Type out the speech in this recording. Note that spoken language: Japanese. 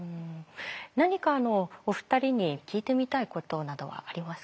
何かお二人に聞いてみたいことなどはありますか？